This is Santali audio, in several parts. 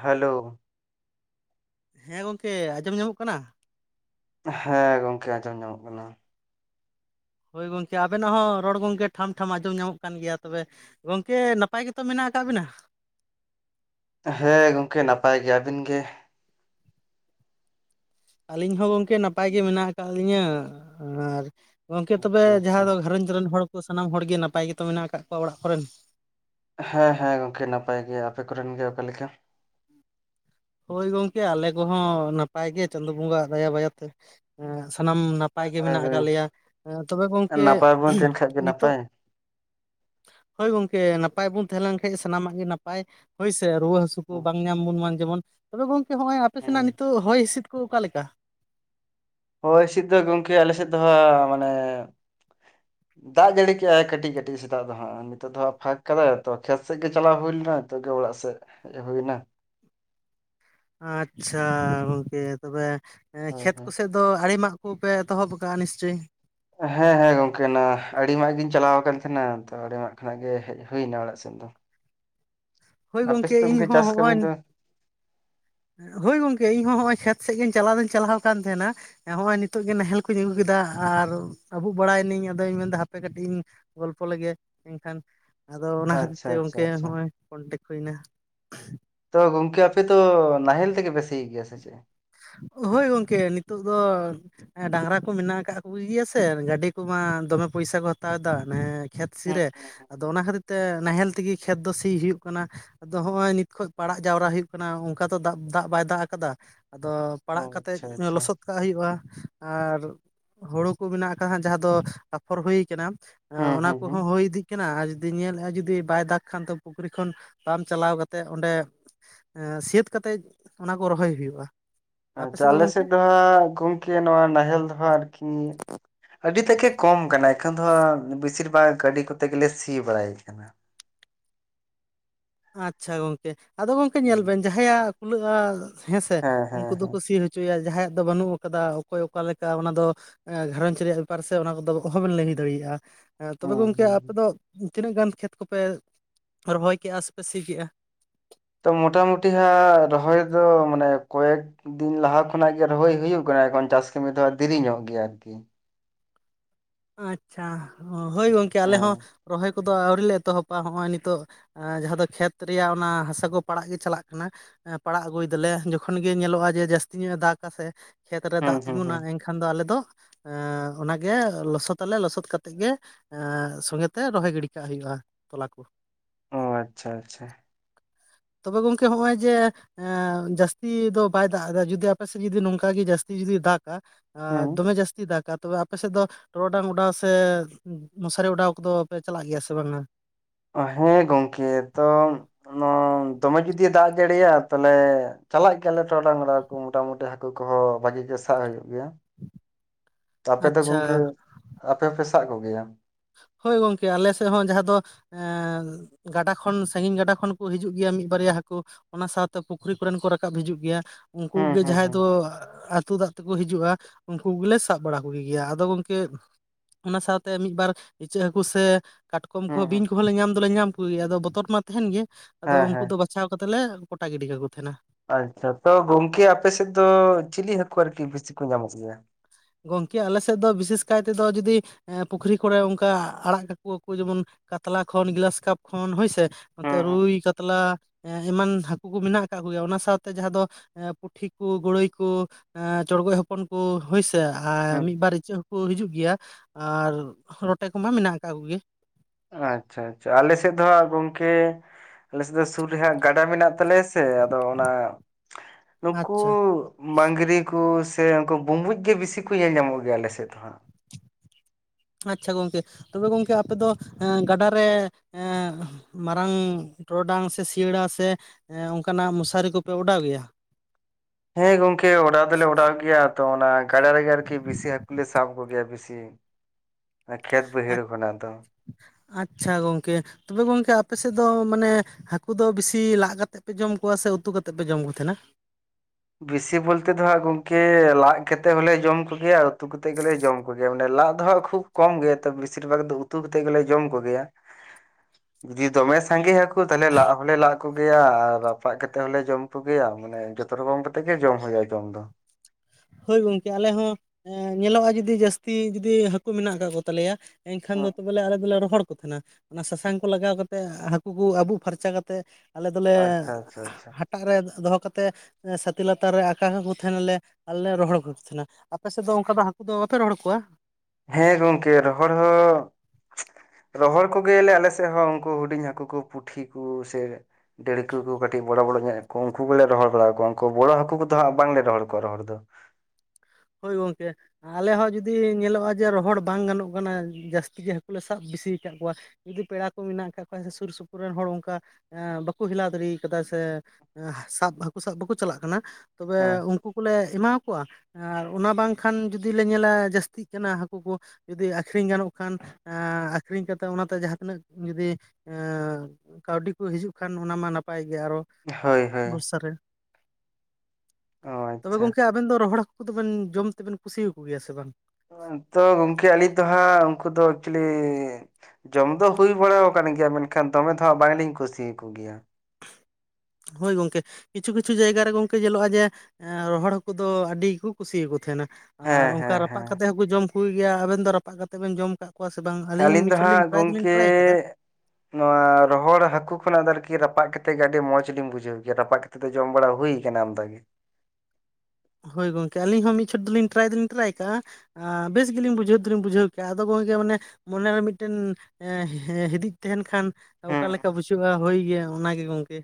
ᱦᱮᱞᱳ ᱦᱮᱸ ᱜᱚᱢᱠᱮ ᱟᱸᱡᱚᱢ ᱧᱟᱢᱚᱜ ᱠᱟᱱᱟ? ᱦᱮᱸ ᱜᱚᱝᱠᱮ ᱟᱸᱡᱚᱢ ᱧᱟᱢᱚᱜ ᱠᱟᱱᱟ᱾ ᱦᱳᱭ ᱜᱚᱝᱠᱮ ᱟᱵᱮᱱᱟᱜ ᱦᱚᱸ ᱨᱚᱲ ᱜᱚᱝᱠᱮ ᱴᱷᱟᱢ ᱴᱷᱟᱢ ᱟᱸᱡᱚᱢ ᱧᱟᱢᱚᱜ ᱠᱟᱱ ᱜᱮᱭᱟ ᱛᱚᱵᱮ ᱜᱚᱝᱠᱮ ᱱᱟᱯᱟᱭ ᱜᱮᱛᱚ ᱢᱮᱱᱟᱜ ᱟᱠᱟᱟᱜ ᱵᱮᱱᱟ? ᱦᱮᱸ ᱜᱚᱝᱠᱮ ᱱᱟᱯᱟᱭ ᱜᱮᱭ, ᱟᱵᱤᱱ ᱜᱮ? ᱟᱹᱞᱤᱧ ᱦᱚᱸ ᱜᱚᱝᱠᱮ ᱱᱟᱯᱟᱭ ᱜᱮ ᱢᱮᱱᱟᱜ ᱟᱠᱟᱫ ᱞᱤᱧᱟᱹ ᱟᱨ ᱜᱚᱝᱠᱮ ᱛᱚᱵᱮ ᱟᱪᱪᱷᱟ ᱟᱪᱪᱷᱟ ᱡᱟᱦᱟᱸ ᱫᱚ ᱜᱷᱟᱨᱚᱸᱡᱽ ᱨᱮᱱ ᱦᱚᱲ ᱠᱚ ᱥᱟᱱᱟᱢ ᱦᱚᱲ ᱜᱮ ᱱᱟᱯᱟᱭ ᱜᱮᱛᱚ ᱢᱮᱱᱟᱜ ᱟᱠᱟᱫ ᱠᱚᱣᱟ ᱚᱲᱟᱜ ᱠᱚᱨᱮᱱ? ᱦᱮᱸ ᱦᱮᱸ ᱜᱚᱝᱠᱮ ᱱᱟᱯᱟᱭ ᱜᱮ, ᱟᱯᱮ ᱠᱚᱨᱮᱱ ᱜᱮ ᱚᱠᱟᱞᱮᱠᱟ? ᱦᱳᱭ ᱜᱚᱝᱠᱮ ᱟᱞᱮ ᱠᱚᱦᱚᱸ ᱱᱟᱯᱟᱭ ᱜᱮ ᱪᱟᱸᱫᱳ ᱵᱚᱸᱜᱟ-ᱟᱜ ᱫᱟᱭᱟ ᱵᱟᱭᱟᱛᱮ ᱥᱟᱱᱟᱢ ᱱᱟᱯ ᱱᱟᱯᱟᱭ ᱜᱮ ᱦᱳᱭ ᱢᱮᱱᱟᱜ ᱦᱳᱭ ᱟᱠᱟᱫ ᱞᱮᱭᱟ᱾ ᱛᱚᱵᱮ ᱜᱚᱝᱠᱮ ᱱᱟᱯᱟᱭ ᱵᱚᱱ ᱛᱟᱦᱮᱱ ᱠᱷᱟᱡ ᱜᱮ ᱱᱟᱯᱟᱭ ᱱᱤᱛᱚᱜ? ᱦᱳᱭ ᱜᱚᱝᱠᱮ ᱱᱟᱯᱟᱭ ᱵᱚᱱ ᱛᱟᱦᱮᱸ ᱞᱮᱱ ᱠᱷᱟᱡ ᱥᱟᱱᱟᱢᱟᱜ ᱜᱮ ᱱᱟᱯ ᱱᱟᱯᱟᱭ ᱦᱚᱳᱭᱥᱮ ᱨᱩᱣᱟᱹ ᱦᱟᱥᱩ ᱠᱚ ᱦᱩᱸ ᱵᱟᱝ ᱧᱟᱢ ᱵᱚᱱ ᱢᱟ ᱡᱮᱢᱚᱱ ᱛᱚᱵᱮ ᱜᱚᱝᱠᱮ ᱦᱚᱜ-ᱚᱭ ᱟᱯᱮ ᱦᱩᱸ, ᱥᱮᱱᱟᱜ ᱱᱤᱛᱚᱜ ᱦᱚᱭ ᱦᱤᱸᱥᱤᱫ ᱠᱚ ᱚᱠᱟ ᱞᱮᱠᱟ? ᱦᱳᱭ ᱦᱤᱥᱤᱫ ᱫᱚ ᱜᱚᱝᱠᱮ ᱟᱞᱮ ᱥᱮᱫ ᱫᱚᱟᱸᱜ ᱢᱟᱱᱮ ᱫᱟᱜ ᱡᱟᱹᱲᱤ ᱠᱮᱜᱼᱟᱭ ᱠᱟᱹᱴᱤᱡ ᱠᱟᱹᱴᱤᱡ ᱥᱮᱛᱟᱜ ᱫᱚ ᱦᱟᱸᱜ ᱟᱨ ᱱᱤᱛᱚᱜ ᱫᱚᱟᱸᱜ ᱯᱷᱟᱸᱠ ᱠᱟᱫᱟᱭ ᱛᱚ ᱠᱷᱮᱛ ᱥᱮᱫ ᱜᱮ ᱪᱟᱞᱟᱣ ᱦᱩᱭᱞᱮᱱᱟ ᱛᱚ ᱚᱲᱟᱜ ᱥᱮᱫ ᱦᱩᱭᱱᱟ᱾ ᱟᱪᱪᱷᱟ ᱜᱚᱝᱠᱮ ᱛᱚᱵᱮ ᱦᱳᱭ ᱠᱷᱮᱛ ᱦᱳᱭ ᱠᱚᱥᱮᱜ ᱟᱫᱚ ᱦᱟᱲᱤ ᱢᱟᱜ ᱠᱚᱯᱮ ᱮᱛᱚᱦᱚᱵ ᱟᱠᱟᱟᱜᱼᱟ ᱱᱤᱥᱪᱚᱭᱭ ᱦᱮ ᱦᱮ ᱜᱚᱝᱠᱮ ᱚᱱᱟ ᱟᱹᱰᱤ ᱢᱟᱡ ᱜᱤᱧ ᱪᱟᱞᱟᱣ ᱠᱟᱱ ᱛᱟᱦᱮᱱᱟ ᱛᱚ ᱚᱸᱰᱮ ᱢᱟᱜ ᱠᱷᱚᱱᱟᱜ ᱜᱮ ᱦᱮᱡ ᱦᱩᱭᱱᱟ ᱚᱲᱟᱜ ᱥᱮᱫ ᱫᱚ ᱦᱳᱭ ᱟᱯᱮ ᱜᱚᱝᱠᱮ ᱥᱮᱫ ᱫᱚ ᱤᱧ ᱦᱚᱸ ᱪᱟᱥ ᱠᱟᱹᱢᱤ ᱦᱚᱜ-ᱚᱭ ᱫᱚ ᱦᱳᱭ ᱜᱚᱢᱠᱮ ᱤᱧ ᱦᱚᱸ ᱱᱚᱜ-ᱚᱭ ᱠᱷᱮᱛ ᱥᱮᱫ ᱜᱮᱧ ᱪᱟᱞᱟᱣ ᱫᱚᱧ ᱪᱟᱞᱟᱣ ᱠᱟᱱ ᱛᱟᱦᱮᱱᱟ ᱱᱚᱜ-ᱚᱭ ᱱᱤᱛᱚᱜ ᱜᱮ ᱱᱟᱦᱮᱞ ᱠᱚᱧ ᱟᱹᱜᱩ ᱠᱮᱫᱟ ᱟᱨ ᱟᱹᱵᱩᱜ ᱵᱟᱲᱟᱭᱱᱟᱹᱧ ᱟᱫᱚᱧ ᱢᱮᱱᱫᱟ ᱦᱟᱯᱮ ᱠᱟᱹᱴᱤᱡ ᱤᱧ ᱜᱚᱞᱯᱚ ᱞᱮᱜᱮ ᱮᱱᱠᱷᱟᱱ ᱟᱫᱚ ᱚᱱᱟ ᱠᱷᱟᱹᱛᱤᱨ ᱟᱪᱪᱷᱟ ᱛᱮ ᱟᱪᱪᱷᱟ ᱜᱚᱢᱠᱮ ᱟᱪᱪᱷᱟ ᱦᱚᱭ ᱠᱚᱱᱴᱮᱠᱴ ᱦᱩᱭᱱᱟ ᱛᱚ ᱜᱚᱢᱠᱮ ᱟᱯᱮ ᱛᱚ ᱱᱟᱦᱮᱞ ᱛᱮᱜᱮ ᱯᱮ ᱥᱤ ᱜᱮᱭᱟ ᱥᱮ ᱪᱮᱫ ᱦᱳᱭ ᱜᱚᱝᱠᱮ ᱱᱤᱛ‌ᱚᱜ ᱫᱚ ᱰᱟᱝᱨᱟ ᱠᱚ ᱢᱮᱱᱟᱜ ᱟᱠᱟᱫ ᱠᱚ ᱜᱮᱭᱟ ᱥᱮ ᱜᱟᱹᱰᱤ ᱠᱚᱢᱟ ᱫᱚᱢᱮ ᱯᱚᱭᱥᱟ ᱠᱚ ᱦᱟᱛᱟᱣ ᱮᱫᱟ ᱦᱮ ᱠᱷᱮᱛ ᱥᱤ ᱦᱩᱸ ᱨᱮ ᱦᱩᱸ ᱦᱩᱸ ᱟᱫᱚ ᱚᱱᱟ ᱠᱷᱟᱹᱛᱤᱨ ᱛᱮ ᱱᱟᱦᱮᱞ ᱛᱮᱜᱮ ᱠᱷᱮᱛ ᱫᱚ ᱥᱤ ᱦᱩᱭᱩᱜ ᱠᱟᱱᱟ ᱟᱫᱚ ᱦᱚᱸᱜᱼᱚᱸᱚᱭ ᱱᱤᱛ ᱠᱷᱚᱡ ᱯᱟᱲᱟᱜ ᱡᱟᱣᱨᱟ ᱦᱩᱭᱩᱜ ᱠᱟᱱᱟ ᱚᱱᱠᱟ ᱛᱚᱟᱜ ᱫᱟᱜ ᱵᱟᱭ ᱫᱟᱜ ᱠᱟᱫᱟ ᱟᱫᱚ ᱚ ᱯᱟᱲᱟᱜ ᱠᱟᱛᱮᱫ ᱟᱪᱪᱷᱟ ᱟᱪᱪᱷᱟ ᱞᱚᱥᱚᱫ ᱟᱥᱠᱟᱜ ᱦᱩᱭᱩᱜ-ᱟ ᱟᱨ ᱦᱩᱲᱩ ᱠᱚ ᱢᱮᱱᱟᱜ ᱟᱠᱟᱫᱟ ᱡᱟᱦᱟᱸ ᱫᱚ ᱟᱯᱷᱚᱨ ᱦᱩᱭ ᱠᱟᱱᱟ ᱦᱮ ᱦᱩᱸ ᱚᱱᱟ ᱦᱩᱸ ᱦᱩᱸ ᱠᱚᱦᱚᱸ ᱦᱳᱭ ᱤᱫᱤᱜ ᱠᱟᱱᱟ ᱟᱨ ᱡᱩᱫᱤ ᱧᱮᱞᱮᱫᱼᱟ ᱡᱩᱫᱤ ᱵᱟᱭ ᱫᱟᱜ ᱠᱷᱟᱱ ᱛᱚ ᱯᱩᱠᱷᱨᱤ ᱠᱷᱚᱱ ᱯᱟᱢ ᱪᱟᱞᱟᱣ ᱠᱟᱛᱮᱫ ᱚᱸᱰᱮ ᱥᱟᱹᱛ ᱠᱟᱛᱮᱜ ᱚᱱᱟ ᱠᱚ ᱨᱚᱦᱚᱭ ᱦᱩᱭᱩᱜ-ᱟ ᱪᱟᱞᱮ ᱥᱮ ᱫᱚᱦ ᱜᱚᱢ ᱱᱚᱣᱟ ᱱᱟᱦᱮᱞ ᱫᱚᱦᱚ ᱟᱨᱠᱤ ᱟᱹᱰᱤ ᱛᱮᱫ ᱜᱮ ᱠᱚᱢ ᱠᱟᱱᱟᱭ ᱮᱠᱷᱚᱱ ᱫᱚ ᱵᱮᱥᱤᱨ ᱵᱷᱟᱜᱽ ᱜᱟᱹᱰᱤ ᱠᱚᱛᱮ ᱜᱮᱞᱮ ᱥᱤ ᱵᱟᱲᱟᱭ ᱠᱟᱱᱟ ᱟᱪᱪᱷᱟ ᱜᱚᱝᱠᱮ ᱟᱫᱚ ᱜᱚᱝᱠᱮ ᱧᱮᱞ ᱵᱮᱱ ᱡᱟᱦᱟᱸᱭᱟᱜ ᱠᱩᱞᱟᱹᱜᱼᱟ ᱦᱮᱸᱥᱮ ᱦᱮᱸ ᱦᱮᱸ ᱩᱱᱠᱩ ᱫᱚ ᱦᱮᱸ ᱠᱩ ᱥᱤ ᱦᱚᱪᱚ ᱦᱚᱪᱚᱭᱟ ᱡᱟᱦᱟᱸᱭᱟᱜ ᱫᱚ ᱵᱟᱹᱱᱩᱜ ᱟᱠᱟᱫᱟ ᱚᱠᱚᱭ ᱚᱠᱟ ᱞᱮᱠᱟ ᱚᱱᱟ ᱫᱚ ᱜᱷᱟᱨᱚᱸᱧᱡᱽ ᱨᱮᱭᱟᱜ ᱵᱮᱯᱟᱨ ᱥᱮ ᱚᱱᱟ ᱠᱚᱫᱚ ᱦᱚᱸᱵᱮᱱ ᱞᱟᱹᱭ ᱦᱩᱭ ᱫᱟᱲᱮᱭᱟᱜᱼᱟ ᱦᱮᱸ ᱛᱚᱵᱮ ᱦᱩᱸ ᱜᱚᱝᱠᱮ ᱟᱯᱮ ᱦᱩᱸ ᱫᱚ ᱛᱤᱱᱟᱹᱜ ᱜᱟᱱ ᱠᱷᱮᱛ ᱠᱚᱯᱮ ᱨᱚᱦᱚᱭ ᱠᱮᱫᱼᱟ ᱥᱮᱯᱮ ᱥᱤ ᱠᱮᱜᱼᱟ ᱛᱚ ᱢᱚᱴᱟᱢᱩᱴᱤ ᱦᱟᱜ ᱨᱚᱦᱚᱭ ᱫᱚ ᱢᱟᱱᱮ ᱠᱚᱭᱮᱠ ᱫᱤᱱ ᱞᱟᱦᱟ ᱠᱷᱚᱱᱟᱜ ᱜᱮ ᱨᱚᱦᱚᱭ ᱦᱩᱭᱩᱜ ᱠᱟᱱᱟ ᱮᱠᱷᱚᱱ ᱪᱟᱥ ᱠᱟᱹᱢᱤ ᱫᱚ ᱫᱮᱨᱤᱧᱚᱜ ᱜᱮᱭᱟ ᱟᱨᱠᱤ ᱟᱪᱪᱷᱟ ᱦᱳᱭ ᱜᱚᱝᱠᱮ ᱟᱞᱮ ᱦᱮᱸ ᱦᱚᱸ ᱨᱚᱦᱚᱭ ᱠᱚᱫᱚ ᱟᱹᱣᱨᱤ ᱞᱮ ᱮᱛᱚᱦᱚᱵᱟ ᱦᱚᱜᱼᱚᱭ ᱱᱤᱛᱚᱜ ᱡᱟᱦᱟᱸ ᱫᱚ ᱠᱷᱮᱛ ᱨᱮᱭᱟᱜ ᱚᱱᱟ ᱦᱟᱥᱟ ᱠᱚ ᱯᱟᱲᱟᱜ ᱜᱮ ᱪᱟᱞᱟᱜ ᱠᱟᱱᱟ ᱯᱟᱲᱟᱜ ᱟᱹᱜᱩᱭ ᱫᱟᱞᱮ ᱡᱚᱠᱷᱚᱱ ᱜᱮ ᱧᱮᱞᱚᱜᱼᱟ ᱡᱮ ᱡᱟᱹᱥᱛᱤ ᱧᱚᱜ ᱮ ᱫᱟᱜ ᱟᱥᱮ ᱠᱷᱮᱛ ᱨᱮ ᱦᱩᱸ ᱫᱟᱜ ᱦᱩᱸ ᱛᱤᱸᱜᱩᱱᱟ ᱦᱩᱸ ᱮᱱᱠᱷᱟᱱ ᱫᱚ ᱟᱞᱮ ᱫᱚ ᱮ ᱚᱱᱟᱜᱮ ᱞᱚᱥᱚᱫᱟᱞᱮ ᱞᱚᱥᱚᱫ ᱠᱟᱛᱮ ᱜᱮ ᱥᱚᱸᱜᱮ ᱛᱮ ᱨᱚᱦᱚᱭ ᱜᱤᱰᱤ ᱠᱟᱜ ᱦᱩᱭᱩᱜ-ᱟ ᱛᱚᱞᱟ ᱠᱚ ᱚ ᱟᱪᱪᱷᱟ ᱟᱪᱪᱷᱟ ᱛᱚᱵᱮ ᱜᱚᱝᱠᱮ ᱦᱚᱜᱼᱚᱭ ᱡᱮ ᱡᱟᱹᱥᱛᱤ ᱫᱚ ᱵᱟᱭ ᱫᱟᱜ ᱮᱫᱟ ᱡᱩᱫᱤ ᱟᱯᱮ ᱥᱮᱫ ᱡᱩᱫᱤ ᱱᱚᱝᱠᱟ ᱜᱮ ᱡᱟᱹᱥᱛᱤ ᱡᱩᱫᱤ ᱫᱟᱜ ᱦᱩᱸ ᱫᱚᱢᱮ ᱡᱟᱹᱥᱛᱤ ᱫᱟᱜ ᱠᱟ ᱛᱚᱵᱮ ᱟᱯᱮᱥᱮᱫ ᱫᱚ ᱴᱚᱨᱚᱰᱟᱝ ᱚᱰᱟᱣ ᱥᱮ ᱢᱚᱥᱟᱨᱤ ᱚᱰᱟᱣ ᱠᱚᱫᱚ ᱯᱮ ᱪᱟᱞᱟᱜ ᱜᱮᱭᱟ ᱥᱮ ᱵᱟᱝᱟ ᱚ ᱦᱮᱸ ᱜᱚᱢᱠᱮ ᱛᱚ ᱱᱚᱣᱟ ᱫᱚᱢᱮ ᱡᱩᱫᱤ ᱫᱟᱜ ᱡᱟᱹᱲᱤᱭᱟ ᱛᱟᱦᱞᱮ ᱪᱟᱞᱟᱜ ᱜᱮᱭᱟᱞᱮ ᱴᱚᱨᱟᱰᱟᱝ ᱚᱰᱟᱣ ᱦᱟᱹᱠᱩ ᱢᱚᱴᱟ ᱢᱩᱴᱤ ᱦᱟᱹᱠᱩ ᱠᱚᱦᱚᱸ ᱵᱷᱟᱹᱜᱤ ᱜᱮ ᱥᱟᱵ ᱦᱩᱭᱩᱜ ᱜᱮᱭᱟ ᱟᱯᱮ ᱫᱚ ᱟᱪᱪᱷᱟ ᱜᱚᱝᱠᱮ ᱟᱯᱮ ᱦᱚᱸᱯᱮ ᱥᱟᱵ ᱠᱚᱜᱮᱭᱟ ᱦᱳᱭ ᱜᱚᱝᱠᱮ ᱟᱞᱮᱥᱮᱫ ᱦᱚᱸ ᱡᱟᱦᱟᱸ ᱫᱚ ᱜᱟᱰᱟ ᱠᱷᱚᱱ ᱥᱟᱺᱜᱤᱧ ᱜᱟᱰᱟ ᱠᱷᱚᱱ ᱠᱚ ᱦᱤᱡᱩᱜ ᱜᱮᱭᱟ ᱢᱤᱫ ᱵᱟᱨᱭᱟ ᱦᱟᱸᱠᱩ ᱚᱱᱟ ᱥᱟᱶᱛᱮ ᱯᱩᱠᱷᱨᱤ ᱠᱚᱨᱮᱱᱠᱩ ᱨᱟᱠᱟᱵ ᱦᱤᱡᱩᱜ ᱜᱮᱭᱟ ᱩᱱᱠᱩ ᱦᱩᱸ ᱜᱮ ᱦᱩᱸ ᱡᱟᱦᱟᱸᱭ ᱦᱩᱸ ᱫᱚ ᱟᱹᱛᱩ ᱫᱟᱜ ᱛᱮᱠᱚ ᱦᱤᱡᱩᱜ-ᱟ ᱩᱱᱠᱩ ᱜᱮᱞᱮ ᱥᱟᱵ ᱵᱟᱲᱟ ᱠᱚᱜᱮ ᱜᱮᱭᱟ ᱟᱫᱚ ᱜᱚᱝᱠᱮ ᱚᱱᱟ ᱥᱟᱶᱛᱮ ᱢᱤᱫᱵᱟᱨ ᱤᱪᱟᱹᱜ ᱦᱟᱹᱠᱩ ᱥᱮ ᱠᱟᱴᱠᱚᱢ ᱦᱩᱸ ᱠᱚᱦᱚᱸ ᱦᱩᱸ ᱵᱤᱧ ᱠᱚᱦᱚᱸ ᱞᱮ ᱧᱟᱢ ᱫᱚᱞᱮ ᱧᱟᱢ ᱠᱚᱜᱮᱭᱟ ᱟᱫᱚ ᱵᱚᱛᱚᱨ ᱢᱟ ᱛᱟᱦᱮᱱ ᱜᱮ ᱟᱫᱚ ᱦᱮᱸ ᱩᱱᱠᱩ ᱦᱮᱸ ᱫᱚ ᱵᱟᱪᱷᱟᱣ ᱠᱟᱛᱮᱜ ᱞᱮ ᱠᱚᱴᱟ ᱜᱤᱰᱤ ᱠᱟᱠᱚ ᱛᱟᱦᱮᱸᱱᱟ ᱟᱪᱪᱷᱟ ᱛᱚ ᱜᱚᱝᱠᱮ ᱟᱯᱮ ᱥᱮᱫ ᱫᱚ ᱪᱤᱞᱤ ᱦᱟᱹᱠᱩ ᱟᱨᱠᱤ ᱵᱮᱥᱤ ᱠᱚ ᱧᱟᱢᱚᱜ ᱜᱮᱭᱟ ᱜᱚᱢᱠᱮ ᱟᱞᱮᱥᱮᱫ ᱫᱚ ᱵᱤᱥᱮᱥ ᱠᱟᱭ ᱛᱮᱫᱚ ᱡᱩᱫᱤ ᱮ ᱯᱩᱠᱷᱨᱤ ᱠᱚᱨᱮᱜ ᱚᱱᱠᱟ ᱟᱲᱟᱜ ᱠᱟᱠᱚᱣᱟ ᱠᱚ ᱡᱮᱢᱚᱱ ᱠᱟᱛᱞᱟ ᱠᱷᱚᱱ ᱜᱞᱟᱥ ᱠᱟᱯ ᱠᱷᱚᱱ ᱦᱳᱭᱥᱮ ᱱᱚᱱᱛᱮ ᱦᱩᱸ ᱦᱩᱸ ᱨᱩᱭ ᱠᱟᱛᱞᱟ ᱮᱢᱟᱱ ᱦᱟᱸᱠᱩ ᱠᱚ ᱢᱮᱱᱟᱜ ᱟᱠᱟᱫ ᱠᱚᱭᱟ ᱚᱱᱟ ᱥᱟᱶᱛᱮ ᱡᱟᱦᱟᱸ ᱫᱚ ᱯᱩᱴᱷᱤ ᱠᱚ ᱜᱚᱲᱟᱹᱭ ᱠᱩ ᱪᱚᱲᱜᱚᱡ ᱦᱚᱯᱚᱱ ᱠᱚ ᱦᱳᱭᱥᱮ ᱥᱮ ᱟᱨ ᱦᱩᱸ ᱢᱤᱫ ᱵᱟᱨ ᱤᱪᱟᱹᱜ ᱦᱚᱸᱠᱚ ᱦᱤᱡᱩᱜ ᱜᱮᱭᱟ ᱟᱨ ᱨᱚᱴᱮ ᱠᱚᱢᱟ ᱢᱮᱱᱟᱜ ᱟᱠᱟᱫ ᱠᱚᱜᱮ, ᱟᱪᱷᱟ ᱟᱪᱷᱟ ᱟᱞᱮ ᱥᱮᱫ ᱫᱚᱦᱟᱸᱜ ᱜᱚᱝᱠᱮ ᱟᱞᱮ ᱥᱮᱫ ᱫᱚ ᱥᱩᱨ ᱨᱮ ᱜᱟᱰᱟ ᱢᱮᱱᱟᱜ ᱛᱟᱞᱮᱭᱟ ᱥᱮ ᱟᱫᱚ ᱚᱱᱟ, ᱱᱩᱠᱩ ᱟᱪᱪᱷᱟ ᱢᱟᱝᱜᱨᱤ ᱠᱚ ᱥᱮᱠᱩ ᱵᱩᱢᱵᱩᱡ ᱜᱮ ᱵᱤᱥᱤ ᱠᱚ ᱧᱮᱞ ᱧᱟᱢᱚᱜ ᱜᱮᱭᱟ ᱟᱞᱮᱥᱮᱫᱚ ᱦᱟᱸᱜ, ᱟᱪᱷᱟ ᱜᱚᱝᱠᱮ ᱛᱚᱵᱮ ᱜᱚᱢᱠᱮ ᱟᱯᱮ ᱫᱚ ᱜᱟᱰᱟᱨ ᱨᱮ ᱢᱟᱨᱟᱝ ᱴᱚᱨᱚᱰᱟᱝ ᱥᱮ ᱥᱤᱭᱟᱹᱲᱟ ᱥᱮ ᱚᱱᱠᱟᱱᱟᱜ ᱢᱚᱥᱟᱨᱤ ᱠᱚᱯᱮ ᱚᱰᱟᱣ ᱜᱮᱭᱟ,? ᱦᱮᱸ ᱜᱚᱝᱠᱮ ᱚᱲᱟᱜ ᱫᱚᱞᱮ ᱚᱰᱟᱜ ᱜᱮᱭᱟ, ᱛᱚ ᱚᱱᱟ ᱜᱟᱰᱟ ᱨᱮᱜᱮ ᱟᱨᱠᱤ ᱵᱮᱥᱤ ᱦᱟᱹᱠᱩ ᱞᱮ ᱥᱟᱵ ᱠᱚᱜᱮᱭᱟ ᱵᱤᱥᱤ, ᱠᱷᱮᱛ ᱵᱚᱭ ᱦᱟᱹᱲ ᱠᱟᱱᱟᱫᱚ, ᱟᱪᱪᱴᱷᱟ ᱜᱚᱝᱠᱮ ᱛᱚᱵᱮ ᱜᱚᱝᱠᱮ ᱟᱯᱮ ᱥᱮᱫ ᱫᱚ ᱢᱟᱱᱮ ᱦᱟᱹᱠᱩ ᱫᱚ ᱵᱤᱥᱤ ᱞᱟᱜ ᱠᱟᱛᱮᱫ ᱯᱮ ᱡᱚᱢ ᱠᱚᱣᱟ ᱥᱮ ᱩᱛᱩ ᱠᱟᱛᱮᱫ ᱯᱮ ᱡᱚᱢ ᱠᱚ ᱛᱟᱦᱮᱸᱱᱟ? ᱵᱮᱥᱤ ᱵᱚᱞᱛᱮ ᱫᱚᱦᱟᱸᱜ ᱜᱚᱝᱠᱮ ᱞᱟᱟᱜ ᱠᱟᱛᱮᱫ ᱦᱚᱞᱮ ᱡᱚᱢ ᱠᱚᱜᱮᱭᱟ ᱩᱛᱩ ᱠᱟᱛᱮᱫ ᱜᱮᱞᱮ ᱡᱚᱢ ᱠᱚᱭᱟ, ᱠᱚᱜᱮᱭᱟ ᱢᱟᱱᱮ ᱞᱟᱟᱜ ᱫᱚ ᱦᱟᱸᱜ ᱠᱷᱩᱵ ᱠᱚᱢ ᱜᱮᱭᱟ ᱛᱚ ᱵᱮᱥᱤ ᱵᱷᱟᱜᱽ ᱫᱚ ᱩᱛᱩ ᱠᱟᱛᱮᱫ ᱜᱮᱞᱮ ᱡᱚᱢ ᱠᱚᱜᱮᱭᱟ ᱾ ᱦᱩᱸ [inaudible] ᱡᱩᱫᱤ ᱫᱚᱢᱮ ᱥᱟᱸᱜᱮ ᱦᱟᱹᱠᱩ ᱛᱟᱦᱚᱞᱮ ᱞᱟᱜ ᱦᱚᱸ ᱦᱚᱞᱮ ᱞᱟᱜ ᱠᱚᱜᱮᱭᱟ ᱟᱨ ᱨᱟᱯᱟᱜ ᱠᱟᱛᱮ ᱦᱚᱞᱮ ᱡᱚᱢ ᱠᱚᱜᱮᱭᱟ ᱢᱟᱱᱮ ᱡᱚᱛ ᱛᱚᱛ [unintelligible] ᱨᱚᱠᱚᱢ ᱠᱟᱛᱮ ᱜᱮ ᱡᱚᱢᱼᱟ ᱡᱚᱢ ᱫᱚ [unintelligible] ᱦᱳᱭ ᱜᱚᱝᱠᱮ ᱟᱞᱮ ᱦᱚᱸ ᱮ ᱧᱮᱞᱚᱜᱼᱟ ᱡᱩᱫᱤ ᱡᱟᱹᱥᱛᱤ ᱡᱩᱫᱤ ᱦᱟᱹᱠᱩ ᱢᱮᱱᱟᱜ ᱠᱫ ᱠᱚᱛᱟᱞᱮᱭᱟ ᱮᱱᱠᱷᱟᱱ ᱫᱚᱵᱚᱞᱮ ᱟᱞᱮ ᱫᱚᱞᱮ ᱨᱚᱦᱚᱲ, ᱛᱟᱦᱮᱱᱟ ᱚᱱᱟ ᱥᱟᱥᱟᱝ ᱠᱚ ᱞᱟᱜᱟᱣ ᱠᱟᱛᱮᱫ ᱦᱟᱹᱠᱩ ᱠᱚ ᱟᱹᱵᱩᱜ ᱯᱷᱟᱨᱪᱟ ᱠᱟᱛᱮᱫ ᱟᱞᱮ ᱫᱚᱞᱮ ᱟᱪᱪᱷᱟ ᱟᱪᱪᱷᱟ ᱟᱪᱪᱷᱟ ᱦᱟᱴᱟᱜ ᱨᱮ ᱫᱚᱦᱚ ᱠᱟᱛᱮᱫ ᱥᱟᱛᱤ ᱞᱟᱛᱟᱨ ᱨᱮ ᱟᱠᱟ ᱠᱚ ᱛᱟᱦᱮᱱᱟᱞᱮ, ᱟᱨ ᱞᱮ ᱨᱚᱦᱚᱲ ᱠᱚ ᱛᱟᱦᱮᱱᱟ ᱟᱯᱮ ᱥᱮᱫ ᱫᱚ ᱚᱱᱠᱟ ᱫᱚ ᱦᱟᱹᱠᱩ ᱫᱚ ᱵᱟᱯᱮ ᱨᱚᱦᱚᱲ ᱠᱚᱣᱟ ᱦᱮᱸ ᱜᱚᱝᱠᱮ ᱨᱚᱦᱚᱲ ᱦᱚᱸ, ᱨᱚᱦᱚᱲ ᱠᱚᱜᱮᱞᱮ ᱟᱞᱮ ᱥᱮᱫ ᱦᱚᱸ ᱩᱱᱠᱩ ᱦᱩᱰᱤᱧ ᱦᱟᱹᱠᱩ ᱠᱚ ᱯᱩᱴᱷᱤ ᱠᱚ ᱥᱮ ᱰᱮᱟᱹᱲᱤᱠ ᱠᱚ ᱠᱟᱹᱴᱤᱡ ᱵᱚᱲᱟ ᱵᱚᱲᱚ ᱧᱚᱜ ᱟᱠ ᱠᱚ ᱩᱱᱠᱩ ᱜᱮᱞᱮ ᱨᱚᱦᱚᱲ ᱵᱟᱲᱟ ᱠᱚᱣᱟ ᱩᱱᱠᱩ ᱵᱚᱲᱚ ᱦᱟᱹᱠᱩ ᱠᱚᱫᱚ ᱦᱟᱸᱜ ᱵᱟᱝᱞᱮ ᱨᱚᱦᱚᱲ ᱠᱚᱣᱟ ᱨᱚᱦᱚᱲ ᱫᱚ, ᱦᱳᱭ ᱜᱚᱝᱠᱮ, ᱟᱞᱮ ᱦᱚᱸ ᱡᱩᱫᱤ ᱧᱮᱞᱚᱜᱼᱟ ᱡᱮ ᱨᱚᱦᱚᱲ ᱵᱟᱝ ᱜᱟᱱᱚᱜ ᱠᱟᱱᱟ ᱡᱟᱹᱥᱛᱤ ᱜᱮ ᱦᱟᱹᱠᱩᱞ ᱞᱮ ᱥᱟᱵ ᱵᱮᱥᱤᱠᱟᱫ ᱠᱚᱣᱟ, ᱡᱩᱫᱤ ᱯᱮᱲᱟ ᱠᱚ ᱢᱮᱱᱟᱜ ᱟᱠᱟᱫ ᱠᱷᱟᱡ ᱥᱮ ᱥᱩᱨ ᱥᱩᱯᱩᱨ ᱨᱮᱱ ᱦᱚᱲ ᱚᱱᱠᱟ ᱵᱟᱠᱚ ᱦᱮᱞᱟᱣ ᱫᱟᱲᱮ ᱠᱟᱫᱟ ᱥᱮ ᱥᱟᱵ ᱦᱠᱩ ᱥᱟᱵ ᱵᱟᱠᱚ ᱪᱟᱞᱟᱜ ᱠᱟᱱᱟ ᱛᱚᱵᱮ ᱦᱮᱸ ᱩᱱᱠᱩ ᱠᱚᱞᱮ ᱮᱢᱟ ᱟᱠᱚᱣᱟ, ᱟᱨ ᱚᱱᱟ ᱵᱟᱝᱠᱷᱟᱱ ᱡᱩᱫᱤ ᱞᱮ ᱧᱮᱞᱟ ᱡᱟᱹᱥᱛᱤᱜ ᱠᱟᱱᱟ ᱦᱟᱹᱠᱩ ᱠᱚ ᱡᱩᱫᱤ ᱟᱠᱷᱨᱤᱧ ᱜᱟᱱᱚᱜ ᱠᱷᱟᱱ ᱮ ᱟᱠᱷᱨᱤᱧ ᱠᱟᱛᱮᱫ ᱚᱱᱟᱛᱮ ᱡᱟᱦᱟᱸ ᱛᱤᱱᱟᱹᱜ ᱡᱩᱫᱤ ᱮ ᱠᱟᱹᱣᱰᱤ ᱠᱚ ᱦᱤᱡᱩᱜ ᱠᱷᱟᱱ ᱚᱱᱟ ᱢᱟ ᱱᱟᱯᱟᱭ ᱜᱮ ᱟᱨᱚ, ᱦᱳᱭ ᱦᱳᱭ ᱵᱚᱨᱥᱟ ᱨᱮ ᱚ ᱛᱚᱵᱮ ᱟᱪᱪᱷᱟ ᱜᱚᱝᱠᱮ ᱟᱵᱮᱱ ᱫᱚ ᱨᱚᱦᱚᱲ ᱦᱟᱹᱠᱩ ᱫᱚᱵᱮᱱ ᱡᱚᱢ ᱛᱮᱵᱮᱱ ᱠᱩᱥᱤᱭᱟᱠᱚ ᱭᱮᱭᱟ ᱥᱮ ᱵᱟᱝ? ᱛᱚ ᱜᱚᱝᱠᱮ ᱟᱹᱞᱤᱧ ᱫᱚᱦᱟᱸᱜ ᱩᱱᱠᱩ ᱫᱚ ᱮᱠᱪᱩᱞᱤ, ᱡᱚᱢ ᱫᱚ ᱦᱩᱭ ᱵᱟᱲᱟ ᱟᱠᱟᱱ ᱜᱮᱭᱟ ᱢᱮᱱᱠᱷᱟᱱ ᱫᱚᱢᱮ ᱫᱷᱚᱣ ᱦᱟᱸᱜ ᱵᱟᱝᱞᱤᱧ ᱠᱩᱥᱤᱭᱟᱚ ᱜᱮᱭᱟ, ᱦᱳᱭ ᱜᱚᱝᱠᱮ ᱠᱤᱪᱷᱩ ᱠᱤᱪᱷᱩ ᱡᱟᱭᱜᱟ ᱨᱮ ᱜᱚᱝᱠᱮ ᱧᱮᱞᱚᱜᱼᱟ ᱡᱮ ᱮᱸ ᱨᱚᱦᱚᱲ ᱦᱠᱩ ᱫᱚ ᱟᱹᱰᱤᱠᱚ ᱠᱩᱥᱤᱭᱟᱠᱚ ᱛᱟᱦᱮᱸᱱᱟ, ᱦᱮᱸ ᱟᱨ ᱚᱱᱠᱟ ᱦᱮᱸ ᱦᱮᱸ ᱨᱟᱯᱟᱜ ᱠᱟᱛᱮᱫ ᱦᱚᱸᱠᱚ ᱡᱚᱢ ᱠᱚ ᱜᱮᱭᱟ ᱟᱵᱮᱱ ᱫᱚ ᱨᱟᱯᱟᱜ ᱠᱟᱛᱮ ᱵᱮᱱ ᱡᱚᱢ ᱠᱟᱜ ᱠᱚᱣᱟ, ᱣᱟ ᱥᱮ ᱵᱟᱝ ᱟᱹᱞᱤᱧ ᱫᱚ ᱢᱤᱫᱪᱷ ᱦᱟᱸᱜ ᱞᱤᱧ ᱴᱨᱟᱭ ᱫᱚᱞᱤᱧ ᱜᱚᱝᱠᱮ ᱴᱨᱟᱭ ᱟᱠᱟᱫᱟ, ᱱᱚᱣᱟ ᱨᱚᱦᱚᱲ ᱦᱟᱹᱠᱩ ᱠᱷᱚᱱᱟᱜᱫᱚ ᱟᱨᱠᱤ ᱨᱟᱯᱟᱜ ᱠᱟᱛᱮ ᱜᱮ ᱟᱹᱰᱤ ᱢᱚᱸᱡᱽᱞᱤᱧ ᱵᱩᱡᱷᱟᱹᱣ ᱠᱭᱟ ᱨᱟᱯᱟᱜ ᱠᱟᱛᱮ ᱡᱚᱢ ᱵᱟᱲᱟ ᱦᱩᱭ ᱠᱟᱱᱟ ᱟᱢᱫᱟ ᱜᱮ, ᱦᱳᱭ ᱜᱚᱝᱠᱮ ᱟᱹᱞᱤᱧ ᱦᱚᱸ ᱢᱤᱫ ᱪᱷᱚᱴ ᱫᱚᱞᱤᱧ ᱴᱨᱟᱭ ᱫᱚᱞᱤᱧ ᱴᱨᱟᱭ ᱠᱟᱜᱼᱟ, ᱾ ᱵᱮᱥ ᱜᱮᱞᱤᱧ ᱵᱩᱡᱷᱟᱹᱣ ᱫᱚᱞᱤᱧ ᱵᱩᱡᱷᱟᱹᱣ ᱠᱮ-ᱟ ᱾ ᱟᱫᱚ ᱜᱚᱝᱠᱮ ᱢᱟᱱᱮ, ᱢᱚᱱᱮᱨᱮ ᱢᱤᱫᱴᱮᱱ ᱦᱤᱫᱤᱡ ᱛᱟᱦᱮᱱ ᱠᱷᱟᱱ ᱚᱠᱟ ᱦᱩᱸ ᱞᱮᱠᱟ ᱵᱩᱹᱪᱷᱩᱜᱼᱟ ᱦᱳ ᱜᱮᱭᱟ ᱚᱱᱟᱜᱮ ᱜᱚᱝᱠᱮ,